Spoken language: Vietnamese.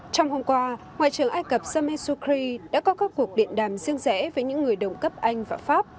trong hôm qua ngoại trưởng ai cập sameh sukri đã có các cuộc điện đàm riêng rẽ với những người đồng cấp anh và pháp